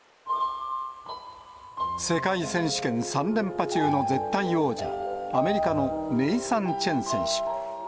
世界選手権３連覇中の絶対王者、アメリカのネイサン・チェン選手。